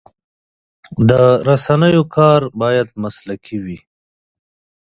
د رسنیو کار باید مسلکي وي.